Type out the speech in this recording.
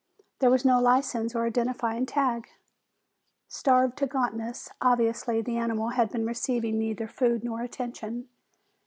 There was no license or identifying tag. Starved to gauntness, obviously the animal had been receiving neither food nor attention.